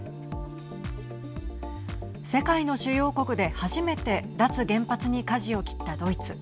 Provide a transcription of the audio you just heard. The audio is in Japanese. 世界の主要国で初めて脱原発に、かじを切ったドイツ。